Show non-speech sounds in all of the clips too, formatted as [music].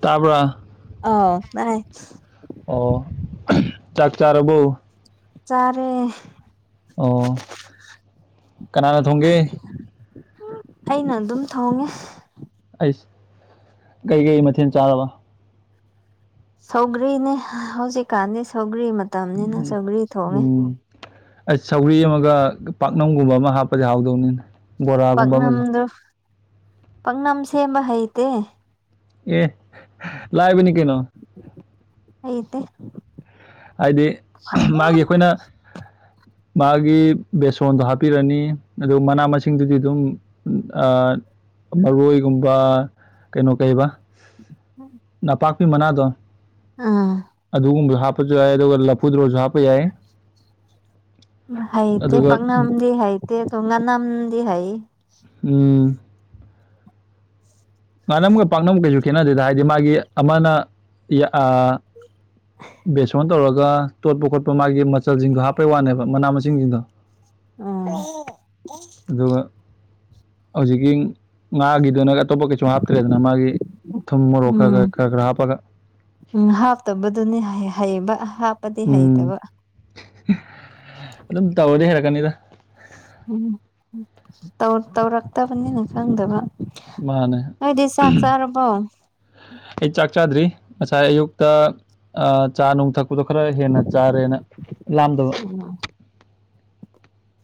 ꯇꯕ꯭ꯔ ꯑ ꯑꯥꯏ ꯑꯣ ꯆꯥꯛ ꯆꯥꯔꯕꯣ ꯆꯔꯦ ꯑꯣ ꯀꯅꯥꯅ ꯊꯣꯡꯒꯦ ꯑꯩꯅ ꯑꯗꯨꯝ ꯊꯣꯡꯉꯦ ꯑꯩꯁ ꯀꯩꯀꯩ ꯃꯊꯦꯜ ꯆꯥꯔꯕ ꯁꯧꯒꯔꯤꯅꯦ ꯍꯧꯖꯤꯛꯀꯥꯟꯗꯤ ꯁꯧꯒ꯭ꯔꯤ ꯃꯇꯝꯅꯤꯅ ꯁꯧꯒ꯭ꯔꯤ ꯊꯣꯡꯉꯦ ꯑꯩꯁ ꯁꯧꯔꯤ ꯑꯃꯒ ꯄꯥꯛꯅꯝꯒꯨꯝꯕ ꯑꯃ ꯍꯥꯞꯄꯁꯦ ꯍꯥꯎꯗꯧꯅꯤꯅ ꯄꯥꯛꯅꯝꯗꯨ ꯄꯥꯛꯅꯝ ꯁꯦꯝꯕ ꯍꯩꯇꯦ ꯑꯦ ꯂꯥꯏꯕꯤ ꯀꯩꯅꯣ ꯑꯗꯤ ꯍꯥꯏꯗꯤ ꯃꯥꯒꯤ ꯑꯩꯈꯣꯏꯅ [inaudible] ꯃꯥꯒꯤ ꯕꯦꯁꯣꯟꯗꯣ ꯍꯥꯞꯄꯤꯔꯅꯤ ꯑꯗꯨꯒ ꯃꯅꯥ ꯃꯁꯤꯡꯗꯨꯗꯤ ꯑꯗꯨꯝ ꯑꯥ ꯃꯔꯣꯏꯒꯨꯝꯕ ꯀꯩꯅꯣ ꯀꯩꯕ ꯅꯄꯥꯛꯄꯤ ꯃꯅꯥꯗꯣ ꯑꯥ ꯑꯗꯨꯒꯨꯝꯕ ꯍꯥꯞ ꯁꯨ ꯍꯥꯏ ꯑꯗꯨ ꯂꯄꯨꯗ ꯔꯣꯖꯥ ꯍꯥꯏꯗꯤ ꯑꯗꯨꯒ ꯄꯪꯅꯝꯗꯤ ꯍꯥꯏ ꯀꯦ ꯉꯅꯝꯗꯤ ꯍꯥꯏꯌꯦ ꯎꯝ ꯉꯥꯅꯝꯒ ꯄꯥꯛꯅꯕ ꯀꯩꯁꯨ ꯈꯦꯠꯅꯗꯦꯗ ꯍꯥꯏꯗꯤ ꯃꯥꯒꯤ ꯑꯃꯅ ꯕꯦꯁꯣꯟ ꯇꯧꯔꯒ ꯇꯣꯠꯄ ꯈꯣꯠꯄ ꯃꯥꯒꯤ ꯃꯆꯜꯁꯤꯡꯗꯣ ꯍꯥꯞꯄꯩ ꯋꯥꯅꯦꯕ ꯃꯅꯥ ꯃꯁꯤꯡꯁꯤꯡꯗꯣ ꯎꯝ ꯑꯗꯨꯒ ꯍꯧꯖꯤꯛꯀꯤ ꯉꯥꯒꯤꯗꯨꯅꯒ ꯑꯇꯣꯞꯄ ꯀꯩ ꯃꯆꯨ ꯍꯥꯞꯇ꯭ꯔꯦꯗꯅ ꯃꯥꯒꯤ ꯊꯨꯝ ꯃꯣꯔꯣꯛ ꯈꯔ ꯎꯝ ꯈꯔ ꯈꯔ ꯈꯔ ꯍꯥꯞꯄꯒ ꯎꯝ ꯍꯥꯞꯇꯕꯗꯨꯅꯤ ꯍꯩꯕ ꯍꯥ ꯎꯝ ꯑꯗꯨꯝ ꯇꯧꯔꯗꯤ ꯍꯩꯔꯛꯀꯅꯤꯗ ꯎꯝ ꯇꯧꯔꯛ ꯇꯧꯔꯛꯇꯕꯅꯤꯅ ꯈꯪꯗꯕ ꯃꯥꯅꯦ ꯑꯩꯗꯤ ꯁꯥꯥꯛ ꯆꯔꯕꯣ ꯑꯩ ꯆꯥꯛ ꯆꯥꯗ꯭ꯔꯤ ꯉꯁꯥꯏ ꯑꯌꯨꯛꯇ ꯑꯥ ꯆꯥ ꯅꯨꯡ ꯊꯛꯄꯗꯣ ꯈꯔ ꯍꯦꯟꯅ ꯆꯥꯔꯦꯅ ꯂꯥꯝꯗꯕ ꯎꯝ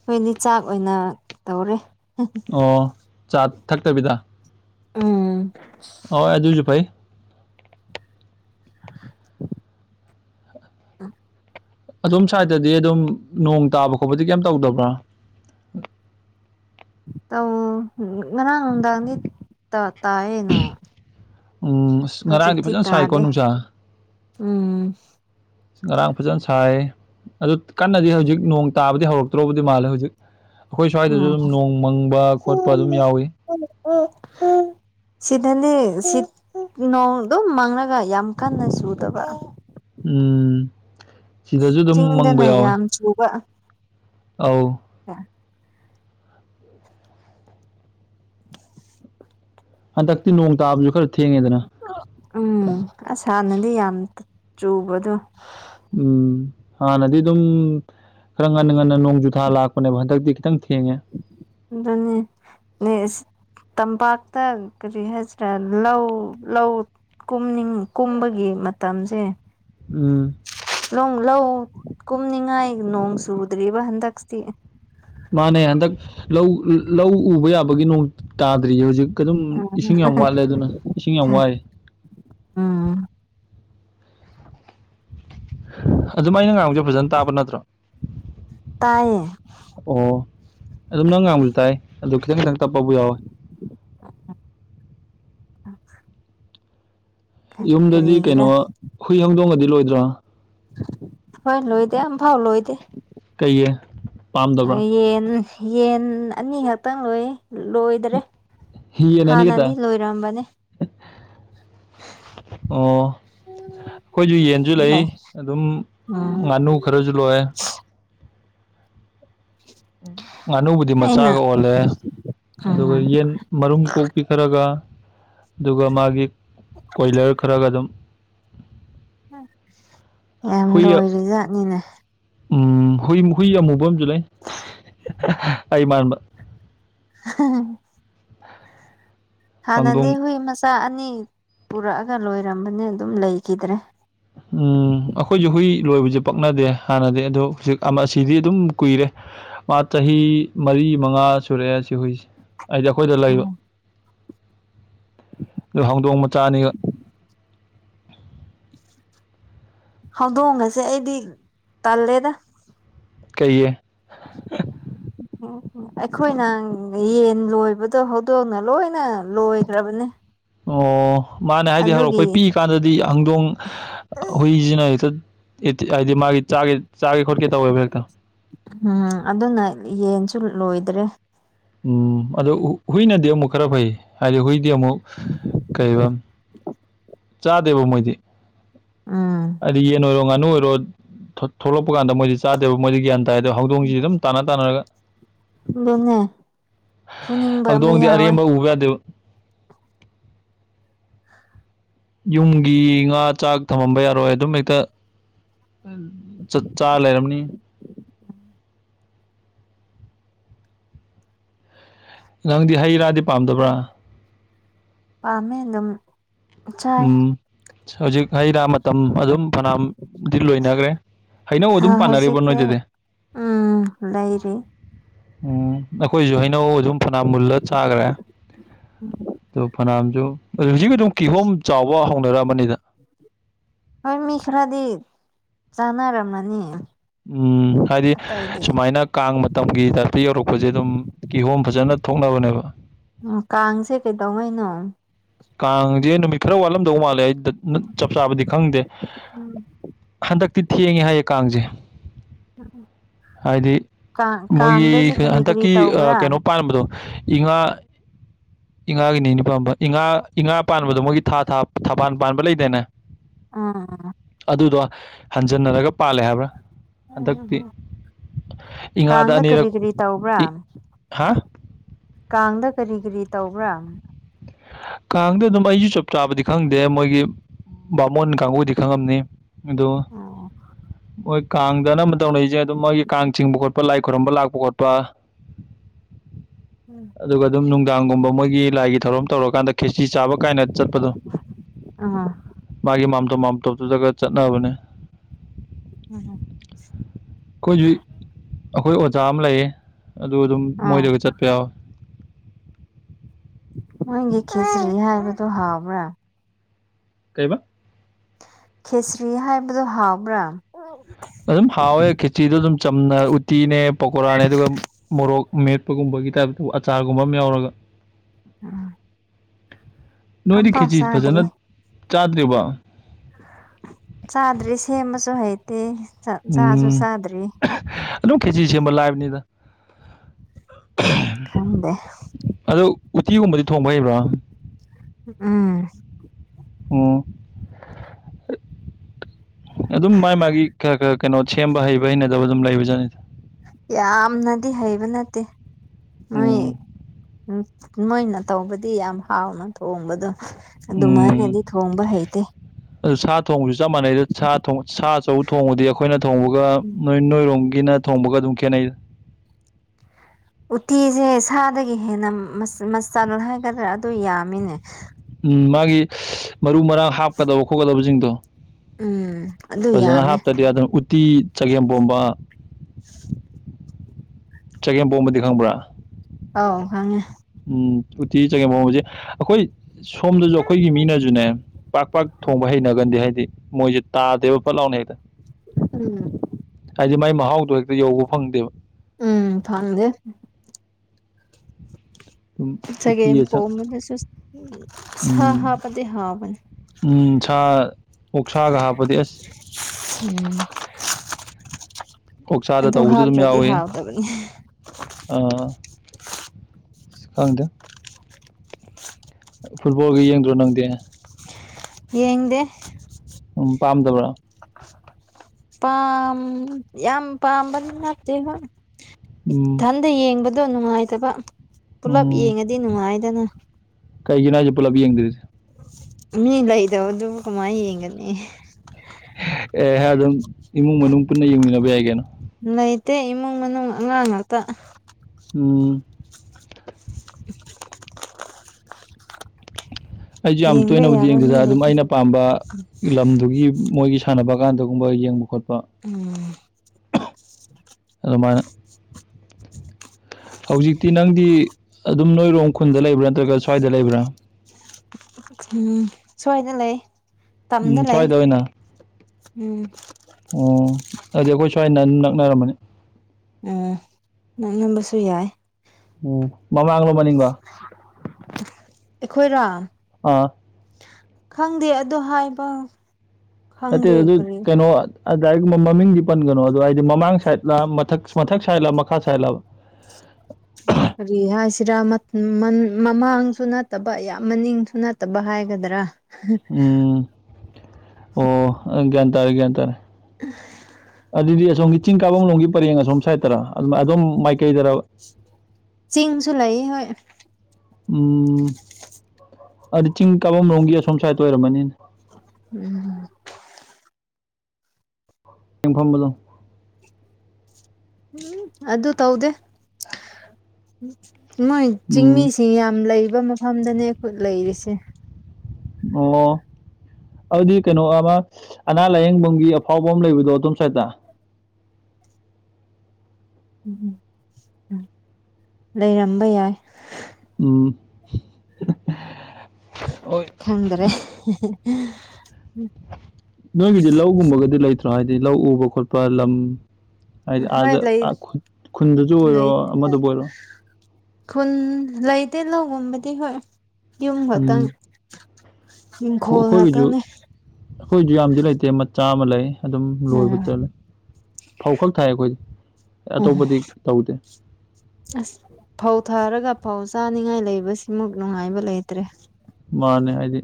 ꯍꯣꯏꯅꯤ ꯆꯥꯛ ꯑꯣꯏꯅ ꯇꯧꯔꯦ ꯑꯣ ꯆꯥ ꯊꯛꯇꯕꯤꯗ ꯑꯥ ꯍꯣꯏ ꯑꯗꯨꯁꯨ ꯐꯩꯏ [unintelligible] ꯑꯗꯨꯝ ꯁ꯭ꯋꯥꯏꯗꯗꯤ ꯑꯗꯨꯝ ꯅꯣꯡ ꯇꯥꯕ ꯈꯣꯠꯄꯗꯤ ꯀꯩꯝ ꯇꯧꯗꯕ꯭ꯔꯥ ꯇ ꯉꯅꯥꯥꯡꯗꯪꯅꯤ ꯇ ꯇꯥꯌꯦꯦꯅꯣ ꯎꯝ ꯑꯁ ꯉꯔꯥꯡꯗꯤ ꯐꯖꯅ ꯁꯥꯏꯀꯣ ꯇꯥꯗꯦ ꯅꯨꯡꯁꯥ ꯎꯝ ꯉꯔꯥꯡ ꯐꯖꯅ ꯁꯥꯏ ꯑꯗꯨ ꯀꯟꯅꯗꯤ ꯍꯧꯖꯤꯛ ꯅꯣꯡ ꯇꯥꯕꯗꯤ ꯍꯧꯔꯛꯇ꯭ꯔꯕꯗꯤ ꯃꯥꯜꯂꯦ ꯍꯧꯖꯤꯛ ꯑꯩꯈꯣꯏ ꯁ꯭ꯋꯥꯏꯗꯁꯨ ꯎꯝ ꯑꯗꯨꯝ ꯅꯣꯡ ꯃꯪꯕ ꯈꯣꯠꯄ ꯑꯗꯨꯝ ꯌꯥꯎꯏ ꯑ [unintelligible] ꯁꯤꯗꯅꯦ ꯁꯤ ꯅꯣꯡ ꯑꯗꯨꯝ ꯃꯥꯡꯂꯒ ꯌꯥꯝ ꯀꯟꯅ ꯆꯨꯗꯕ ꯎꯝ ꯁꯤꯗꯁꯨ ꯑꯗꯨꯝ ꯃꯪꯕ ꯆꯤꯡꯗꯅ ꯌꯥꯎꯋꯦ [unintelligible] ꯑꯧ [unintelligible] ꯍꯟꯗꯛꯇꯤ ꯅꯣꯡ ꯇꯥꯕꯁꯨ ꯈꯔ ꯊꯦꯡꯉꯦꯗꯅ ꯎꯝ ꯑꯁꯥꯝꯅꯗꯤ ꯌꯥꯝ ꯆꯨꯕꯗꯣ ꯎꯝ ꯍꯥꯟꯅꯗꯤ ꯑꯗꯨꯝ ꯈꯔ ꯉꯟꯅ ꯉꯟꯅ ꯅꯣꯡꯖꯨꯊꯥ ꯂꯥꯛꯄꯅꯦꯕ ꯍꯟꯗꯛꯇꯤ ꯈꯤꯇꯪ ꯊꯦꯡꯉꯦ ꯑꯗꯨꯅꯦ ꯅꯣꯏ ꯑꯁꯤ ꯇꯝꯄꯥꯛꯇ ꯀꯔꯤ ꯍꯥꯏꯁꯤꯔꯥ ꯂꯧ ꯂꯧ ꯀꯨꯝꯅꯤꯡ ꯀꯨꯝꯕꯒꯤ ꯃꯇꯝꯁꯦ ꯎꯝ ꯂꯣꯡ ꯂꯧ ꯀꯨꯝꯅꯤꯡꯉꯥꯏ ꯅꯣꯡ ꯆꯨꯗ꯭ꯔꯤꯕ ꯍꯟꯗꯛꯁꯤ ꯃꯥꯅꯦ ꯍꯟꯗꯛ ꯂꯧ ꯂꯧ ꯎꯕ ꯌꯥꯕꯒꯤ ꯅꯣꯡ ꯇꯥꯗ꯭ꯔꯤꯌꯦ ꯍꯧꯖꯤꯛ ꯑꯗꯨꯝ ꯏꯁꯤꯡ ꯌꯥꯝ ꯋꯥꯠꯂꯦ ꯑꯗꯨꯅ ꯏꯁꯤꯡ ꯌꯥꯝ ꯋꯥꯏ ꯎꯝ ꯑꯗꯨꯃꯥꯏꯅ ꯉꯥꯡꯁꯦ ꯐꯖꯅ ꯇꯥꯕ ꯅꯠꯇ꯭ꯔꯣ ꯇꯥꯏꯌꯦ ꯑꯣ ꯑꯗꯨꯝ ꯅꯪ ꯉꯥꯡꯕꯁꯨ ꯇꯥꯏ ꯑꯗꯨ ꯈꯤꯇꯪ ꯈꯤꯇꯪ ꯇꯞꯄꯕꯨ ꯌꯥꯎꯋꯦ ꯌꯨꯝꯗꯗꯤ ꯀꯔꯤꯒꯤꯔꯥ ꯀꯩꯅꯣ ꯍꯨꯏ ꯍꯧꯗꯣꯡꯒꯗꯤ ꯂꯣꯏꯗ꯭ꯔꯣ ꯍꯣꯏ ꯂꯣꯏꯗꯦ ꯑꯃꯐꯥꯎ ꯂꯣꯏꯗꯦ ꯀꯩꯌꯦ ꯌꯦꯟ ꯌꯦꯟ ꯑꯅꯤꯈꯛꯇꯪ ꯂꯣꯏꯌꯦ ꯂꯣꯏꯗ꯭ꯔꯦ ꯌꯦꯟ ꯑꯅꯤ ꯍꯥꯟꯅꯗꯤ ꯈꯛꯇ ꯂꯣꯏꯔꯝꯕꯅꯦ ꯑꯣ ꯑꯩꯈꯣꯏꯁꯨ ꯌꯦꯟꯁꯨ ꯂꯩ ꯑꯗꯨꯝ ꯎꯝ ꯉꯥꯅꯨ ꯈꯔꯁꯨ ꯂꯣꯏꯑꯦ ꯉꯥꯅꯨꯕꯨꯗꯤ ꯑꯩꯅ ꯃꯆꯥꯒ ꯑꯣꯜꯂꯦ ꯎꯝ ꯑꯗꯨꯒ ꯌꯦꯟ ꯃꯔꯨꯝ ꯀꯣꯛꯄꯤ ꯈꯔꯒ ꯑꯗꯨꯒ ꯃꯥꯒꯤ ꯀꯣꯏꯂꯔ ꯈꯔꯒ ꯑꯗꯨꯝ ꯌꯥꯝ ꯍꯨꯏ ꯂꯣꯏꯔꯤꯖꯥꯠꯅꯤꯅꯦ ꯎꯝ ꯍꯨꯏ ꯍꯨꯏ ꯑꯃꯨꯕ ꯑꯃꯁꯨ ꯂꯩ ꯑꯩ ꯃꯥꯟꯕ ꯍꯥ ꯍꯥ ꯍꯥꯟꯅꯗꯤ ꯍꯧꯗꯣꯡ ꯍꯨꯏ ꯃꯆꯥ ꯆꯥ ꯑꯅꯤ ꯄꯨꯔꯛꯑꯒ ꯂꯣꯏꯔꯝꯕꯅꯤ ꯑꯗꯨꯝ ꯂꯩꯈꯤꯗ꯭ꯔꯦ ꯎꯝ ꯑꯩꯈꯣꯏꯖꯨ ꯍꯨꯏ ꯂꯣꯏꯕꯁꯦ ꯄꯛꯅꯗꯦ ꯍꯥꯟꯅꯗꯤ ꯑꯗꯣ ꯍꯧꯖꯤꯛ ꯑꯁꯤꯗꯤ ꯑꯗꯨꯝ ꯀꯨꯏꯔꯦ ꯃꯥ ꯆꯍꯤ ꯃꯔꯤ ꯃꯉꯥ ꯁꯨꯔꯛꯑꯦ ꯁꯤ ꯍꯨꯏꯁꯦ ꯍꯥꯏꯗꯤ ꯑꯩꯈꯣꯏꯗ ꯂꯩꯕ ꯍꯧꯗꯣꯡ ꯃꯆꯥꯅꯤꯒ ꯍꯧꯗꯣꯡꯒꯁꯦ ꯑꯩꯗꯤ ꯇꯜꯂꯦꯗ ꯀꯩꯌꯦ [unintelligible] ꯑꯣ ꯑꯩꯈꯣꯏꯅ ꯌꯦꯟ ꯂꯣꯏꯕꯗꯣ ꯍꯧꯗꯣꯡꯅ ꯂꯣꯏꯅ ꯂꯣꯏꯈ꯭ꯔꯕꯅꯦ ꯑꯣ ꯃꯥꯅꯦ ꯍꯥꯏꯗꯤ ꯑꯗꯨꯒꯤ ꯍꯧꯔꯛꯄꯩ ꯄꯤꯛꯏ ꯀꯥꯟꯗꯗꯤ ꯍꯧꯗꯣꯡ ꯍꯨꯏꯁꯤꯅ ꯍꯦꯛꯇ ꯑꯦꯇꯛ ꯍꯥꯏꯗꯤ ꯃꯥꯒꯤ ꯆꯥꯒꯦ ꯆꯥꯒꯦ ꯈꯣꯠꯀꯦ ꯇꯧꯋꯦꯕ ꯍꯦꯛꯇ ꯎꯝ ꯑꯗꯨꯅ ꯌꯦꯟꯁꯨ ꯂꯣꯏꯗ꯭ꯔꯦ ꯎꯝ ꯑꯗꯣ ꯍꯨꯏꯅꯗꯤ ꯑꯃꯨꯛ ꯈꯔ ꯐꯩ ꯍꯥꯏꯗꯤ ꯍꯨꯏꯗꯤ ꯑꯃꯨꯛ ꯀꯩꯕ ꯆꯥꯗꯦꯕ ꯃꯣꯏꯗꯤ ꯎꯝ ꯍꯥꯏꯗꯤ ꯌꯦꯟ ꯑꯣꯏꯔꯣ ꯉꯥꯅꯨ ꯑꯣꯏꯔꯣ ꯊꯣꯛꯂꯛꯄ ꯀꯥꯟꯗ ꯃꯣꯏꯗꯤ ꯆꯥꯗꯦꯕ ꯃꯣꯏꯗꯤ ꯒ꯭ꯌꯥꯟ ꯇꯥꯏ ꯑꯗꯣ ꯍꯧꯗꯣꯡꯖꯤ ꯑꯗꯨꯝ ꯇꯥꯟꯅ ꯇꯥꯟꯅꯔꯒ ꯑꯗꯨꯅꯦ [inaudible] ꯐꯨꯅꯤꯡꯕ ꯑꯃ ꯍꯧꯗꯣꯡꯗꯤ ꯌꯥꯎꯋꯦ ꯑꯔꯦꯝꯕ ꯎꯕ ꯌꯥꯗꯦꯕ ꯌꯨꯝꯒꯤ ꯉꯥ ꯆꯥꯛ ꯊꯝꯃꯝꯕ ꯌꯥꯔꯣꯏ ꯑꯗꯨꯝ ꯍꯦꯛꯇ [unintelligible] ꯆꯠꯆꯥ ꯂꯩꯔꯝꯅꯤ ꯅꯪꯗꯤ ꯍꯩ ꯔꯥꯗꯤ ꯄꯥꯝꯗꯕ꯭ꯔꯥ ꯄꯥꯝꯃꯦ ꯑꯗꯨꯝ ꯆꯥꯏ ꯎꯝ ꯍꯧꯖꯤꯛ ꯍꯩ ꯔꯥ ꯃꯇꯝ ꯑꯗꯨꯝ ꯐꯅꯌꯥꯝ ꯗꯤ ꯂꯣꯏꯅꯒ꯭ꯔꯦ ꯍꯩꯅꯧ ꯑꯗꯨꯝ ꯄꯥꯟꯅꯔꯤꯕ ꯍꯧꯖꯤꯛꯁꯦ ꯅꯣꯏꯗꯗꯤ ꯎꯝ ꯂꯩꯔꯤ ꯎꯝ ꯑꯩꯈꯣꯏꯁꯨ ꯍꯩꯅꯧ ꯑꯗꯨꯝ ꯐꯅꯌꯥꯝ ꯃꯨꯜꯂ ꯆꯥꯒ꯭ꯔꯦ ꯐꯅꯌꯥꯝꯖꯨ ꯑꯗꯨ ꯍꯧꯖꯤꯛ ꯑꯗꯨꯝ ꯀꯤꯍꯣꯝ ꯆꯥꯎꯕ ꯍꯧꯅꯔꯛꯑꯝꯅꯤꯗ ꯍꯣꯏ ꯃꯤꯈ꯭ꯔꯥꯗꯤ ꯆꯥꯅ ꯔꯝꯃꯅꯤ ꯎꯝ ꯍꯥꯏꯗꯤ ꯁꯨꯃꯥꯏꯅ ꯀꯥꯡ ꯇꯝꯒꯤ ꯇꯥꯏꯞꯇ ꯌꯧꯔꯛꯄꯖꯦ ꯑꯗꯨꯝ ꯀꯤꯍꯣꯝ ꯐꯖꯅ ꯊꯣꯛꯅꯕꯅꯦꯕ ꯎꯝ ꯀꯥꯡꯁꯦ ꯀꯩꯗꯧꯉꯩꯅꯣ ꯀꯥꯡꯁꯦ ꯅꯨꯃꯤꯠ ꯈꯔ ꯋꯥꯠꯂꯝꯗꯧ ꯃꯥꯜꯂꯦ ꯑꯩꯗ ꯆꯞ ꯆꯥꯕꯗꯤ ꯈꯪꯗꯦ ꯎꯝ ꯍꯟꯗꯛꯇꯤ ꯊꯦꯡꯉꯦ ꯍꯥꯏꯌꯦ ꯀꯥꯡꯖꯦ ꯍꯥꯏꯗꯤ ꯀꯥꯡ ꯃꯣꯏꯒꯤ ꯀꯥꯡꯗꯁꯦ ꯀꯔꯤ ꯀꯔꯤ ꯍꯟꯗꯛꯀꯤ ꯑ ꯇꯧꯕ꯭ꯔꯥ ꯀ ꯩꯅꯣ ꯄꯥꯟꯕꯗꯣ ꯏꯉꯥ ꯏꯉꯥꯒꯤ ꯅꯤꯅꯤ ꯄꯥꯟꯕ ꯏꯉꯥ ꯏ ꯉꯥ ꯄꯥꯟꯕꯗꯣ ꯃꯣꯏꯒꯤ ꯊꯥ ꯊꯥ ꯊꯕꯥꯟ ꯄꯥꯟꯕ ꯂꯩꯗꯥꯏꯅꯦ ꯎꯝ ꯑꯗꯨꯗꯣ ꯍꯟꯖꯟꯅꯔꯒ ꯄꯥꯜꯂꯦ ꯍꯥꯏꯕ꯭ꯔꯥ ꯍꯟꯗꯛꯇꯤ [unintelligible] ꯏꯉꯥꯗ ꯀꯥꯡꯗ ꯀꯔꯤ ꯑꯅꯤꯔꯛ ꯀꯔꯤ ꯇꯧꯕ꯭ꯔꯥ ꯏ ꯍꯥ ꯀꯥꯡꯗ ꯀꯔꯤ ꯀꯔꯤ ꯇꯧꯕ꯭ꯔꯥ ꯀꯥꯡꯗ ꯑꯗꯨꯝ ꯑꯩꯖꯨ ꯆꯞ ꯆꯥꯕꯗꯤ ꯈꯪꯗꯦ ꯃꯣꯏꯒꯤ ꯕꯥꯃꯣꯟ ꯀꯥꯡꯕꯨꯗꯤ ꯈꯪꯉꯝꯅꯤ ꯑꯗꯨ ꯑꯣ ꯃꯣꯏ ꯀꯥꯡꯗ ꯑꯅꯝꯕ ꯇꯧꯅꯔꯤꯖꯦ ꯑꯗꯨꯝ ꯃꯣꯏꯒꯤ ꯀꯥꯡ ꯆꯤꯡꯕ ꯈꯣꯠꯄ ꯂꯥꯏꯔꯤꯛ ꯀꯔꯝꯕ ꯂꯥꯛꯄ ꯈꯣꯠꯄ [inaudible] [unintelligible] ꯑꯗꯨꯒ ꯑꯗꯨꯝ ꯅꯨꯡꯗꯥꯡꯒꯨꯝꯕ ꯃꯣꯏꯒꯤ ꯂꯥꯏꯒꯤ ꯊꯧꯔꯝ ꯇꯧꯔꯀꯥꯟꯗ ꯈꯦꯆ꯭ꯔꯤ ꯆꯥꯕ ꯀꯥꯏꯅ ꯆꯠꯄꯗꯣ ꯑꯥ ꯃꯥꯒꯤ ꯃꯥꯝꯇꯣꯞ ꯃꯥꯝꯇꯣꯞꯇꯨꯗꯒ ꯆꯠꯅꯕꯅꯦ ꯎꯝ ꯍꯝ ꯑꯈꯣꯏꯖꯨ ꯑꯈꯣꯏ ꯑꯣꯖꯥ ꯑꯃ ꯂꯩꯌꯦ ꯑꯗꯨ ꯑꯗꯨꯝ ꯑꯥ ꯃꯣꯏꯗꯒ ꯆꯠꯄ ꯌꯥꯎꯋꯦ ꯅꯣꯏꯒꯤ ꯈꯦꯆ꯭ꯔꯤꯅꯤ ꯍꯥꯏꯕꯗꯣ ꯍꯥꯎꯕ꯭ꯔꯥ ꯀꯩꯕꯥ ꯈꯦꯆ꯭ꯔꯤ ꯍꯥꯏꯕꯗꯨ ꯍꯥꯎꯕ꯭ꯔꯥ [unintelligible] ꯑꯗꯨꯝ ꯍꯥꯎꯋꯦ ꯈꯦꯆꯤꯗꯣ ꯑꯗꯨꯝ ꯆꯝꯅ ꯎꯇꯤꯅꯦ ꯄꯀꯣꯔꯥꯅꯦ ꯑꯗꯨꯒ ꯑꯝ ꯃꯣꯔꯣꯛ ꯃꯦꯠꯄꯒꯨꯝꯕꯒꯤ ꯇꯥꯏꯞꯇ ꯑꯆꯥꯔꯒꯨꯝꯕ ꯑꯃ ꯌꯥꯎꯔꯒ [inaudible] ꯅꯣꯏꯗꯤ ꯑꯝꯐꯥꯎ ꯈꯦꯆ꯭ꯔꯤ ꯆꯥꯗ꯭ꯔꯤ ꯐꯖꯅ ꯆꯥꯗ꯭ꯔꯤꯕꯣ ꯆꯥꯗ꯭ꯔꯤ ꯁꯦꯝꯃꯁꯨ ꯍꯩꯇꯦ ꯆ ꯆꯥꯁꯨ ꯎꯝ ꯆꯥꯗ꯭ꯔꯤ ꯑꯗꯨꯝ ꯈꯦꯆꯤ ꯁꯦꯝꯕ ꯂꯥꯏꯕꯅꯤꯗ ꯑꯍꯝ ꯈꯪꯗꯦ ꯑꯗꯨ ꯎꯇꯤꯒꯨꯝꯕꯗꯤ ꯊꯣꯡꯕ ꯍꯩꯕ꯭ꯔꯥ ꯎꯝ ꯑꯣ [unintelligible] ꯑꯗꯨꯝ ꯃꯥꯏ ꯃꯥꯒꯤ ꯈꯔ ꯈꯔ ꯀꯩꯅꯣ ꯁꯦꯝꯕ ꯍꯩꯕ ꯍꯩꯅꯗꯕ ꯑꯗꯨꯝ ꯂꯩꯕꯖꯠꯅꯤ ꯌꯥꯝꯅꯗꯤ ꯍꯩꯕ ꯅꯠꯇꯦ ꯅꯣꯏ ꯎꯝ ꯎꯝ ꯃꯣꯏꯅ ꯇꯧꯕꯗꯤ ꯌꯥꯝ ꯍꯥꯎꯅ ꯊꯣꯡꯕꯗꯣ ꯎꯝ ꯑꯗꯨꯃꯥꯏꯅꯗꯤ ꯊꯣꯡꯕ ꯍꯩꯇꯦ ꯑꯗꯨ ꯁꯥ ꯊꯣꯡꯕꯁꯨ ꯆꯞ ꯃꯥꯟꯅꯩꯗ ꯁꯥꯊꯣꯡꯕ ꯁꯥ ꯑꯆꯧꯕ ꯊꯣꯡꯕꯗꯤ ꯑꯈꯣꯏꯅ ꯊꯣꯡꯕꯒ ꯎꯝ ꯅꯣꯏ ꯅꯣꯏꯔꯣꯝꯒꯤꯅ ꯊꯣꯡꯕꯒ ꯑꯗꯨꯝ ꯈꯦꯠꯅꯩꯗ ꯎꯇꯤꯁꯦ ꯁꯥꯗꯒꯤ ꯍꯦꯟꯅ ꯃꯆ ꯃꯆꯜ ꯍꯥꯏꯒꯗ꯭ꯔꯥ ꯑꯗꯨ ꯌꯥꯝꯅ‌ꯦ ꯎꯝ ꯃꯥꯒꯤ ꯃꯔꯨ ꯃꯔꯥꯡ ꯍꯥꯞꯀꯗꯕ ꯈꯣꯠꯀꯗꯕꯁꯤꯡꯗꯣ ꯎꯝ ꯑꯗꯨ ꯐꯖꯅ ꯌꯥꯝꯃꯦ ꯍꯥꯞꯇꯗꯤ ꯌꯗꯝꯅꯤ ꯎꯇꯤ ꯆꯒꯦꯝꯄꯣꯝꯕ ꯆꯒꯦꯝꯄꯣꯝꯕꯗꯤ ꯈꯪꯕ꯭ꯔꯥ ꯑꯧ ꯈꯪꯉꯦ ꯎꯝ ꯎꯇꯤ ꯆꯒꯦꯝ ꯃꯑꯣꯡꯁꯦ ꯑꯩꯈꯣꯏ ꯁꯣꯝꯗꯁꯨ ꯑꯩꯈꯣꯏꯒꯤ ꯃꯤꯅꯁꯨꯅꯦ ꯄꯥꯛ ꯄꯥꯛ ꯊꯣꯡꯕ ꯍꯩꯅꯒꯟꯗ‌ ꯍꯥꯏꯗꯤ ꯃꯣꯏꯁ‌ꯦ ꯇꯥꯗꯦꯕ ꯐꯠ ꯂꯥꯎꯅ ꯍ‌ꯦꯛꯇ ꯎꯝ ꯍꯥꯏꯗꯤ ꯃꯥꯏ ꯃꯍꯥꯎꯗꯣ ꯍꯦꯛꯇ ꯌꯧꯕ ꯐꯪꯗꯦꯕ ꯎꯝ ꯐꯪꯗꯦ ꯑꯗꯨꯝ ꯎꯇꯤ ꯑꯁꯪ ꯆꯒ‌ꯦꯝꯄꫭꯝꯕꯗꯁꯨ ꯁꯥ ꯎꯝ ꯍꯥꯞꯄꯗꯤ ꯍꯥꯥꯎꯕꯅꯤ ꯎꯝ ꯁꯥ ꯑꯣꯁꯥꯒ ꯍꯥꯞꯄꯗꯤ ꯑꯁ ꯎꯝ ꯑꫭꯛꯁꯥꯗ ꯑꯗꯨ ꯇꯧꯕꯁꯨ ꯑꯗꯨꯝ ꯍꯥꯞꯇ꯭ꯔꯗꯤ ꯌꯥꯎꯏ ꯍꯥꯎꯗꯕꯅꯤ ꯈꯪꯗ‌ꯦ ꯐꯨꯠꯕꯣꯜꯒ ꯌꯦꯡꯗ꯭ꯔꯣ ꯅꯪꯗꯤ ꯌꯦꯡꯗꯦ ꯎꯝ ꯄꯥꯝꯗꯕ꯭ꯔꫭ ꯄꯝ ꯌꯥꯝ ꯄꯥꯝꯕꯗꯤ ꯅꯇꯦꯍ ꯎꯝ ꯏꯊꯟ ꯗ ꯌꯦꯡꯕꯗꯣ ꯅꯨꯡꯉꯥꯏꯇꯕ ꯄꯨꯂꯞ ꯌꯦꯡꯉꯗꯤ ꯅꯨꯡꯉꯥꯏꯗꯅ ꯀꯩꯒꯤꯅꫭ ꯍꯥꯏꯁ‌ꯦ ꯄꯨꯂꯞ ꯌꯦꯡꯗꯔꯤꯗꯤ ꯃꯤ ꯂꯩꯗꯕꯗꯨꯕꯨ ꯀꯃꯥꯏꯅ ꯌꯦꯡꯒꯅꯤ ꯑꯦꯍ‌ꯦ‌ ꯑꯗꯨꯝ ꯏꯃꯨꯡ ꯃꯅꯨꯡ ꯄꯨꯟꯅ ꯌꯦꯡꯃꯤꯟꯅꯕ ꯌꯥꯏ ꯀꯩꯅꯣ ꯂꯩꯇꯦ ꯏꯃꯨꯡ ꯃꯅꯨꯡ ꯑꯉꯥꯡ ꯉꯥꯛꯇ ꯎꯝ [unintelligible] ꯑꯩꯁꯨ ꯌꯥꯝ ꯌꯦꯡꯕ ꯇꯣꯏꯅꯕꯨꯗꯤ ꯌꯥꯕ ꯃꯤ ꯌꯦꯡꯗꯦꯗ ꯑꯗꯨꯝ ꯂꯩꯇꯦ ꯑꯩꯅ ꯄꯥꯝꯕ ꯂꯝꯗꯨꯒꯤ ꯃꯣꯏꯒꯤ ꯁꯥꯟꯅꯕ ꯀꯥꯟꯗꯒꯨꯝꯕ ꯌꯦꯡꯕ ꯈꯣꯠꯄ ꯎꯝ ꯑꯗꯨꯃꯥꯏꯅ ꯍꯧꯖꯤꯛꯇꯤ ꯅꯪꯗꯤ ꯑꯗꯨꯝ ꯅꯣꯏꯔꯣꯡ ꯈꯨꯟꯗ ꯂꯩꯕ꯭ꯔꯥ ꯅꯠꯇ꯭ꯔꯒ ꯁ꯭ꯋꯥꯏꯗ ꯂꯩꯕ꯭ꯔꯥ ꯎꯝ ꯁꯣꯏꯗ ꯂꯩ ꯎꯝ ꯇꯝꯅ ꯂꯩ ꯁ꯭ꯋꯥꯏꯗ ꯎꯝ ꯎꯝ ꯑꯗꯨꯗꯤ ꯑꯩꯈꯣꯏ ꯁ꯭ꯋꯥꯏ ꯅꯟ ꯅꯛꯅꯔꯝꯃꯅꯤ ꯎꯝ ꯅꯛꯅꯕꯁꯨ ꯌꯥꯏ ꯎꯝ ꯃꯃꯥꯡꯂꯣ ꯃꯅꯤꯡꯂ‌ꫭ ꯑꯩꯈꯣꯏꯔꯥ ꯑꯥ ꯈꯪꯗꯦ ꯑꯗꯣ ꯍꯥꯏꯕ ꯈꯪꯗꯦ ꯅꯠꯇꯦꯗ ꯑꯗꯨ ꯀꯔꯤ ꯀꯩꯅꯣ ꯑꯗꯥꯏꯒꯨꯝꯕ ꯃꯃꯤꯡꯗꯤ ꯄꯟꯒꯅꯣ ꯑꯗꯣ ꯍꯥꯏꯗꯤ ꯃꯃꯥꯡ ꯁꯥꯏꯠꯂ ꯃꯊꯛ ꯁꯥꯏꯠꯂ ꯃꯈꯥ ꯁꯥꯏꯠꯂꯕ ꯀꯔꯤ ꯍꯥꯏꯁꯤꯔꯥ ꯃꯃꯥꯡꯁꯨ ꯅꯠꯇꯕ ꯌꯥꯝ ꯃꯅꯤꯡꯁꯨ ꯅꯠꯇꯕ ꯍꯥꯏꯒꯗ꯭ꯔꯥ ꯍ [unintelligible] ꯎꯝ ꯑꯣ ꯑꯩ ꯒ꯭ꯌꯥꯟ ꯇꯥꯔꯦ ꯒ꯭ꯌꯥꯟ ꯇꯥꯔꯦ [unintelligible] ꯑꯗꯨꯗꯤ ꯑꯁꯣꯝꯒꯤ ꯆꯤꯡ ꯀꯥꯐꯝꯂꯣꯝꯒꯤ ꯄꯔꯦꯡ ꯑꯁꯣꯝ ꯁ꯭ꯏꯠꯇꯔ ꯑꯗꯨ ꯑꯗꯨꯝ ꯃꯥꯏꯀꯩꯗꯔꯕ ꯆꯤꯡꯁꯨ ꯂꯩꯌꯦ ꯍꯣꯏ ꯎꯝ ꯑꯗꯤ ꯆꯤꯡ ꯀꯥꯕꯝ ꯂꯣꯝꯒꯤ ꯑꯁꯣꯝ ꯁꯥꯏꯏꯠꯇ ꯑꯣꯏꯔꯃꯅꯤ ꯎꯝ ꯌꯦꯡꯐꯝꯕꯗꯣ ꯎꯝ ꯑꯗꯨ ꯇꯧꯗꯦ ꯃꯣꯏ ꯎꯝ ꯆꯤꯡꯃꯤꯁꯤ ꯁꯤ ꯌꯥꯝ ꯂꯩꯕ ꯃꯐꯝꯗꯅꯦ ꯈꯨꯠ ꯂꯩꯔꯤꯁꯦ ꯑꯣ ꯑꯗꯨꯗꯤ ꯀꯩꯅꯣ ꯑꯃ ꯑꯅꯥ ꯂꯥꯏꯌꯦꯡꯐꯝꯒꯤ ꯑꯐꯥꯎꯕ ꯑꯃ ꯂꯩꯕꯗꯣ ꯑꯗꯣꯝ ꯁ꯭ꯏꯠꯇ ꯂꯩꯔꯝꯕ ꯌꯥꯏ ꯎꯝ ꯍꯣꯏ ꯈꯪꯗ꯭ꯔꯦ ꯅꯣꯏꯒꯤꯗꯤ ꯂꯧꯒꯨꯝꯕꯒꯗꯤ ꯂꯩꯇ꯭ꯔꯣ ꯍꯥꯏꯗꯤ ꯂꯧ ꯎꯕ ꯈꯣꯠꯄ ꯂꯝ ꯍꯥꯏꯗꯤ ꯍꯣꯏ ꯑꯥꯗ ꯂꯩ ꯈꯨꯟꯗꯁꯨ ꯑꯣꯏꯔꯣ ꯂꯩ ꯑꯃꯗꯕꯨ ꯑꯣꯏꯔꯣ ꯈꯨꯟ ꯂꯩꯇꯦ ꯂꯧꯒꯨꯝꯕꯗꯤ ꯍꯣꯏ ꯌꯨꯝ ꯎꯝ ꯈꯛꯇꯪ ꯏꯪꯈꯣꯜ ꯑꯩꯈꯣꯏꯒꯤꯁꯨ ꯉꯥꯛꯇꯪꯅꯦ ꯑꯩꯈꯣꯏꯁꯨ ꯌꯥꯝꯗꯤ ꯂꯩꯇꯦ ꯃꯆꯥ ꯑꯃ ꯂꯩ ꯑꯗꯨꯝ ꯂꯣꯏꯕ ꯎꯝ ꯆꯠꯂꯦ ꯐꯧ ꯈꯛ ꯊꯥꯏ ꯑꯩꯈꯣꯏꯗꯤ ꯑꯇꯣꯞꯄꯗꯤ ꯇꯧꯗꯦ ꯑꯣ ꯑꯁ ꯐꯧ ꯊꯥꯔꯒ ꯐꯧ ꯆꯥꯅꯤꯡꯉꯥꯏ ꯂꯩꯕꯁꯤꯃꯨꯛ ꯅꯨꯡꯉꯥꯏꯕ ꯂꯩꯇ꯭ꯔꯦ ꯃꯥꯅꯦ ꯍꯥꯏꯗꯤ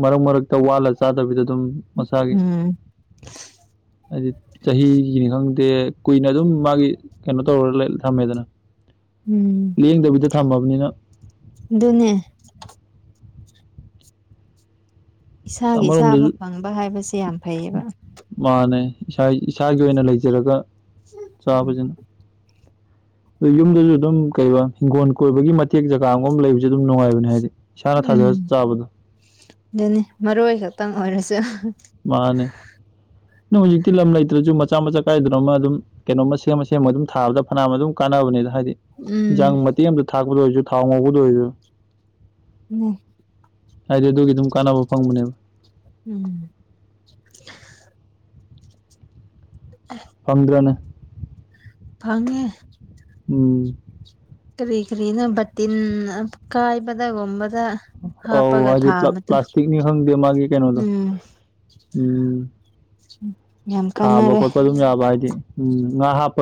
ꯃꯔꯛ ꯃꯔꯛꯇ ꯋꯥꯜꯂ ꯆꯥꯗꯕꯤꯗ ꯑꯗꯨꯝ ꯃꯁꯥꯒꯤ ꯎꯝ [unintelligible] ꯍꯥꯏꯗꯤ ꯆꯍꯤꯒꯤꯅꯤ ꯈꯪꯗꯦ ꯀꯨꯏꯅ ꯑꯗꯨꯝ ꯃꯥꯒꯤ ꯀꯩꯅꯣ ꯇꯧꯔ ꯊꯝꯃꯦꯗꯅ ꯎꯝ ꯂꯦꯡꯗꯕꯤꯗ ꯊꯝꯃꯕꯅꯤꯅ ꯗꯨꯅꯦ ꯑꯁ ꯏꯁꯥꯒꯤ ꯆꯥꯕ ꯑꯃꯔꯣꯝꯗꯁꯨ ꯐꯪꯕ ꯍꯥꯏꯕꯁꯦ ꯌꯥꯝ ꯐꯩꯌꯦꯕ ꯃꯥꯅꯦ ꯏꯁꯥ ꯏꯁꯥꯒꯤ ꯑꯣꯏꯅ ꯂꯩꯖꯔꯒ ꯆꯥꯕꯁꯤꯅ ꯈꯣꯏ ꯌꯨꯝꯗꯁꯨ ꯑꯗꯨꯝ ꯀꯩꯕ ꯍꯤꯡꯒꯣꯜ ꯀꯣꯏꯕꯒꯤ ꯃꯇꯦꯛ ꯖꯒꯥ ꯑꯃꯒ ꯂꯩꯕꯁꯨ ꯑꯗꯨꯝ ꯅꯨꯡꯉꯥꯏꯕꯅꯦ ꯍꯥꯏꯗꯤ ꯏꯁꯥꯅ ꯎꯝ ꯊꯥꯖꯔ ꯆꯥꯕꯗꯣ ꯑꯗꯨꯅꯤ ꯃꯔꯣꯏ ꯈꯛꯇꯪ ꯑꯣꯏꯔꯁꯨ ꯃꯥꯅꯦ ꯅꯪ ꯍꯧꯖꯤꯛꯇꯤ ꯂꯝ ꯂꯩꯇ꯭ꯔꯁꯨ ꯃꯆꯥ ꯃꯆꯥ ꯀꯥꯏꯗꯅꯣ ꯑꯃ ꯑꯗꯨꯝ ꯀꯩꯅꯣꯝ ꯃ ꯁꯦꯝ ꯃ ꯁꯦꯝꯃ ꯑꯗꯨꯝ ꯊꯥꯕꯗ ꯐꯅꯌꯥꯝꯅ ꯑꯗꯨꯝ ꯀꯥꯟꯅꯕꯅꯦꯗ ꯍꯥꯏꯗꯤ ꯎꯝ ꯏꯟꯁꯥꯡ ꯃꯇꯦꯛ ꯑꯃꯝꯇ ꯊꯥꯛꯄꯗ ꯑꯣꯏꯔꯁꯨ ꯊꯥꯎ ꯉꯧꯕꯗ ꯑꯣꯏꯔꯁꯨ ꯎꯝ ꯍꯥꯏꯗꯤ ꯑꯗꯨꯒꯤ ꯑꯗꯨꯝ ꯀꯥꯟꯅꯕ ꯐꯪꯕꯅꯦꯕ ꯎꯝ [unintelligible] ꯐꯪꯗ꯭ꯔꯅ ꯐꯉꯦ ꯎꯝ ꯀꯔꯤ ꯀꯔꯤꯅꯣ ꯕꯇꯤꯟ ꯑꯀꯥꯏꯕꯗꯒꯨꯝꯕꯗ ꯑꯧ ꯍꯥꯏꯗꯤ ꯄ꯭ꯂꯥꯁꯇꯤꯛꯅꯤ ꯈꯪꯗꯦ ꯃꯥꯒꯤ ꯀꯩꯅꯣꯗꯣ ꯎꯝ ꯎꯝ ꯌꯥꯝ ꯊꯥꯕ ꯀꯥꯟꯅꯔꯦ ꯈꯣꯠꯄ ꯑꯗꯨꯝ ꯌꯥꯕ ꯍꯥꯏꯗꯤ ꯎꯝ ꯉꯥ ꯍꯥꯞꯄꯒ